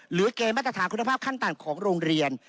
หรือเกณฑ์มาตรฐานคุณภาพขั้นต่ำของโรงเรียน